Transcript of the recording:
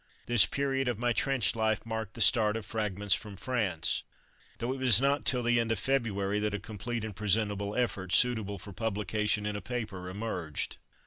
This period of my trench life marked the start of Fragments from France, though it was not till the end of February that a complete and presentable effort, suitable for publication in a paper, emerged.